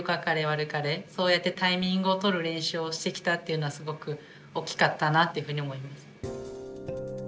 かれそうやってタイミングを取る練習をしてきたっていうのはすごく大きかったなっていうふうに思います。